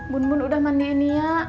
bun bun udah mandiinnya